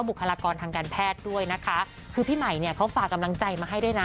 บุคลากรทางการแพทย์ด้วยนะคะคือพี่ใหม่เนี่ยเขาฝากกำลังใจมาให้ด้วยนะ